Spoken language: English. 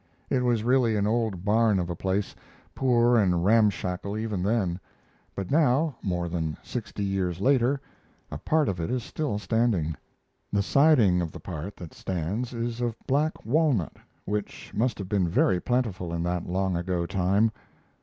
It was really an old barn of a place poor and ramshackle even then; but now, more than sixty years later, a part of it is still standing. The siding of the part that stands is of black walnut, which must have been very plentiful in that long ago time.